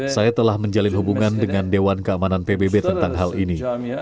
saya telah menghubungi semua kepala negara satu persatu mengenai hal ini